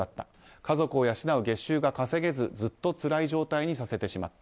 家族を養う月収が稼げずずっとつらい状態にさせてしまった。